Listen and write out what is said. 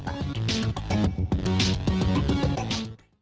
roni satria septari pradana jakarta